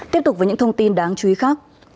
tiếp tục với những thông tin đáng chú ý khác